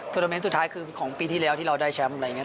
โมเมนต์สุดท้ายคือของปีที่แล้วที่เราได้แชมป์อะไรอย่างนี้